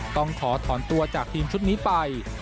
ต้องขอถอนตัวจากทีมชุดนี้ไป